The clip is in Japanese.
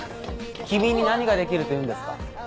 君に何ができるというんですか。